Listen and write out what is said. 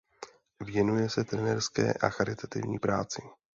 Věnuje se trenérské a charitativní práci.